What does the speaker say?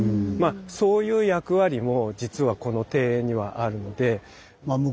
そういう役割も実はこの庭園にはあるので。